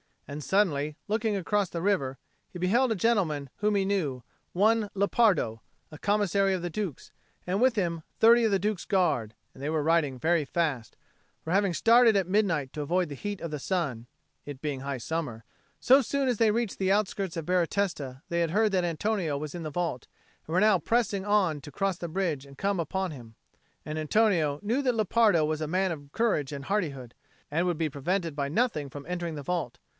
And suddenly, looking across the river, he beheld a gentleman whom he knew, one Lepardo, a Commissary of the Duke's, and with him thirty of the Duke's Guard; and they were riding very fast; for, having started at midnight to avoid the heat of the sun (it being high summer), so soon as they reached the outskirts of Baratesta, they had heard that Antonio was in the vault, and were now pressing on to cross the bridge and come upon him. And Antonio knew that Lepardo was a man of courage and hardihood, and would be prevented by nothing from entering the vault.